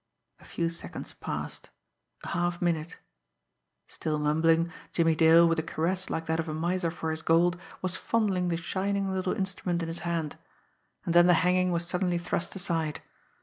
A few seconds passed a half minute. Still mumbling, Jimmie Dale, with a caress like that of a miser for his gold, was fondling the shining little instrument in his hand and then the hanging was suddenly thrust aside.